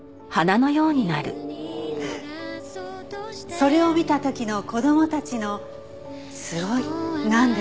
「それを見た時の子供たちの“すごい”“なんで？”